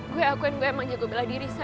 gue akuin gue emang jago bela diri sam